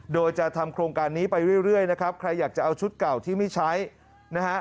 โดยจะทำโครงการนี้ไปเรื่อยนะครับใครอยากจะเอาชุดเก่าที่ไม่ใช้นะฮะ